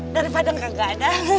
daripada nggak ada